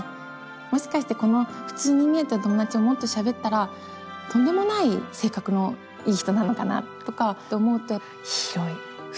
もしかしてこの普通に見えた友だちももっとしゃべったらとんでもない性格のいい人なのかなとかって思うと広い深いって思えます。